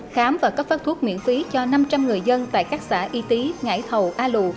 khám và cấp phát thuốc miễn phí cho năm trăm linh người dân tại các xã y tý ngãi hầu a lù